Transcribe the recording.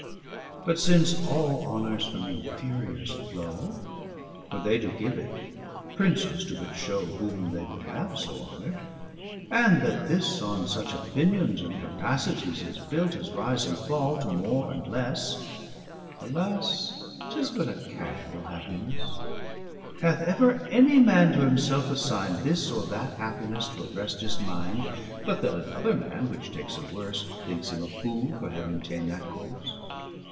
But since all Honours from inferiours flow, (For they doe give it; Princes doe but shew Whom they would have so honor'd) and that this On such opinions, and capacities 410 Is built, as rise and fall, to more and lesse: Alas, 'tis but a casuall happinesse. Hath ever any man to'himselfe assign'd This or that happinesse to'arrest his minde, But that another man which takes a worse, 415 Thinks him a foole for having tane that course?